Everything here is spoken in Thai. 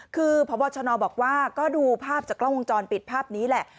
คือพบชนบอกว่าก็ดูภาพจากกล้องวงจรปิดภาพนี้แหละ